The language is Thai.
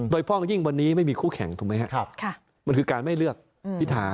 โดยเพราะยิ่งวันนี้ไม่มีคู่แข่งถูกไหมครับมันคือการไม่เลือกพิธา